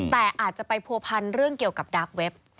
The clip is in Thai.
แต่อาจจะไปผัวพันเรื่องเกี่ยวกับดาร์กเว็บ